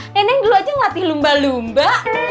nenek dulu aja ngelatih lumba lumba